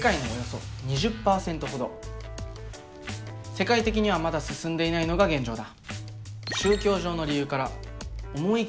世界的にはまだ進んでいないのが現状だ。